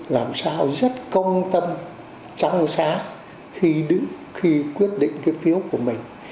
làm sao rất công tâm trăm xá khi đứng khi quyết định cái phiếu của mình